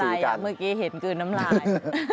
ทำอะไรอย่างเมื่อกี้เห็นเกลือน้ำลาย